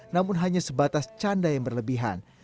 namun hanya sebatas canda yang berlebihan